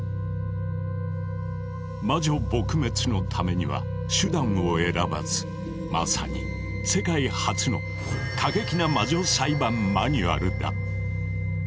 魔女撲滅のためには手段を選ばずまさに世界初の過激な魔女裁判マニュアルだ。